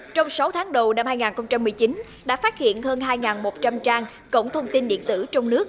trong sáu tháng đầu năm hai nghìn một mươi chín đã phát hiện hơn hai một trăm linh trang cổng thông tin điện tử trong nước